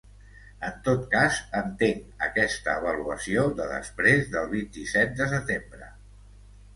En tot cas, entenc aquesta avaluació de després del vint-i-set de setembre.